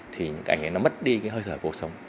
thì những cái ảnh ấy nó mất đi cái hơi thở của cuộc sống